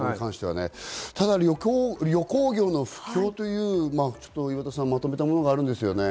旅行業の不況というのをまとめたものがあるんですよね？